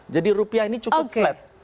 jadi rupiah ini cukup flat